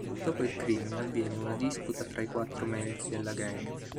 Dopo il crimine, avviene una disputa tra i quattro membri della gang.